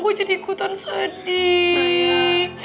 gue jadi ikutan sedih